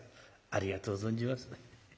ありがとう存じます」。